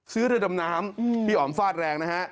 เรือดำน้ำพี่อ๋อมฟาดแรงนะฮะ